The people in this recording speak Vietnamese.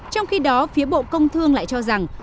trong khi đó phía bộ công thương lại cho rằng